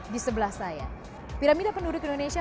di sebelah saya piramida penduduk indonesia